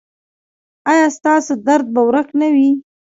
ایا ستاسو درد به ورک نه وي؟